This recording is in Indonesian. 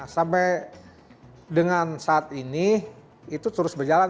sampai dengan saat ini itu terus berjalan